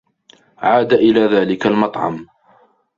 عاد إلى ذلك المطعم.